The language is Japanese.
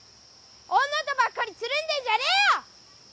女とばっかりつるんでんじゃねえよ！